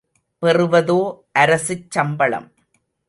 பெறுவதோ அரசுச் சம்பளம்.